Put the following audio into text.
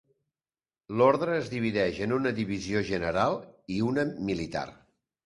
L'ordre es divideix en una divisió general i una militar.